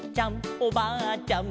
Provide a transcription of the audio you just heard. おばあちゃんまで」